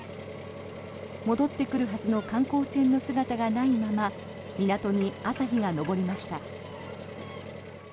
戻ってくるはずの観光船の姿がないまま港に朝日が昇りました。